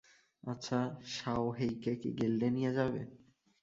আচ্ছা, শাওহেইকে কি গিল্ডে নিয়ে যাবে?